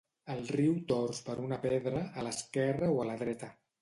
El riu torç per una pedra, a l'esquerra o a la dreta.